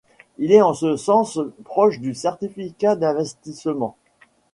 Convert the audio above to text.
Il est en ce sens proche du certificat d'investissement.